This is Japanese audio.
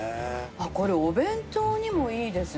あっこれお弁当にもいいですね。